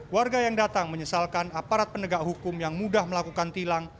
warga yang datang menyesalkan aparat penegak hukum yang mudah melakukan tilang